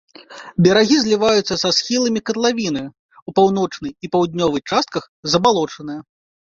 Берагі зліваюцца са схіламі катлавіны, у паўночнай і паўднёвай частках забалочаныя.